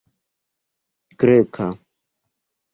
greka